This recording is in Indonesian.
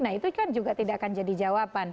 nah itu kan juga tidak akan jadi jawaban